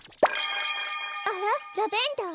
あらラベンダー？